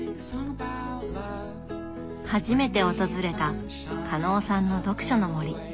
初めて訪れた加納さんの読書の森。